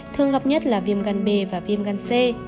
thường gặp nhất là viêm gan b và viêm gan c